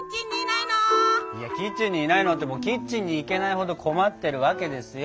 いやキッチンにいないのってキッチンに行けないほど困ってるわけですよ。